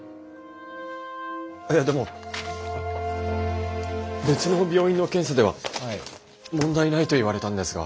えでも別の病院の検査では問題ないと言われたんですが。